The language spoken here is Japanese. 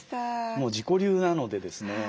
もう自己流なのでですね